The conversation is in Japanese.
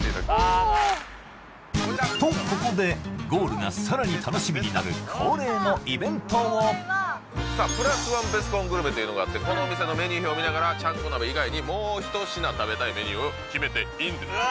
おおとここでゴールがさらに楽しみになる恒例のイベントをさあプラスワンベスコングルメというのがあってこのお店のメニュー表を見ながらちゃんこ鍋以外にもう一品食べたいメニューを決めていいんですうわ